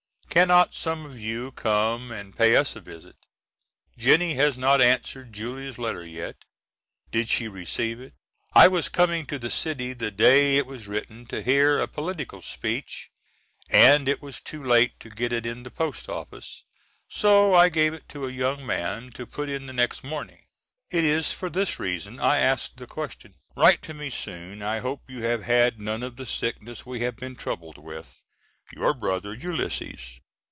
Cannot some of you come and pay us a visit? Jennie has not answered Julia's letter yet. Did she receive it? I was coming to the city the day it was written to hear a political speech, and it was too late to get it in the post office, so I gave it to a young man to put in the next morning. It is for this reason I asked the question. Write to me soon. I hope you have had none of the sickness we have been troubled with. Your Brother, ULYSSES.